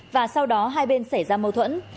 và sau đó hai bên xảy ra mâu thuẫn